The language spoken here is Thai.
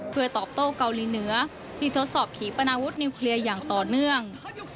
เพื่อตอบโต้เกาหลีเหนือที่ทดสอบขีปนาวุฒนิวเคลียร์อย่างต่อเนื่อง